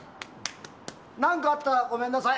何かあったらごめんなさい。